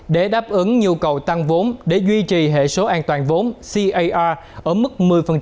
để đáp ứng nhu cầu tăng vốn để duy trì hệ số an toàn vốn ca ở mức một mươi